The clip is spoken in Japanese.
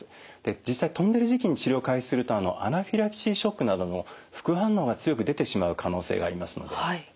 実際飛んでる時期に治療を開始するとアナフィラキシーショックなどの副反応が強く出てしまう可能性がありますので。